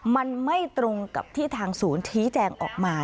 มันไม่ตรงกับที่ทางศูนย์ชี้แจงออกมา